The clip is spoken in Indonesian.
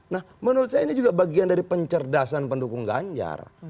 nah menurut saya ini juga bagian dari pencerdasan pendukung ganjar